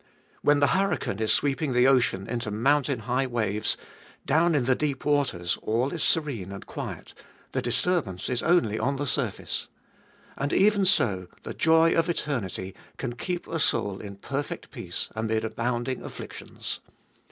When the hurricane is sweeping the ocean into mountain high waves, down in the deep waters all is serene and quiet — the disturbance is only on the surface. And even so the joy of eternity can keep a soul in perfect peace amid abounding afflictions.